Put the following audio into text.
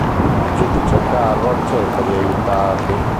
Il giudice Carroll cerca di aiutarli.